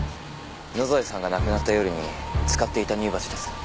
野添さんが亡くなった夜に使っていた乳鉢です。